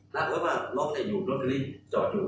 นะเพราะว่ารถนี้อยู่รถนี้จอดอยู่